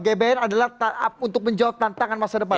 gbn adalah untuk menjawab tantangan masa depan